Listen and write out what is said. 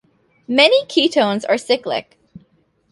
Many ketones are cyclic.